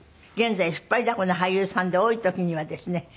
現在引っ張りだこの俳優さんで多い時にはですね